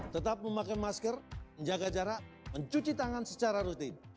tetap memakai masker menjaga jarak mencuci tangan secara rutin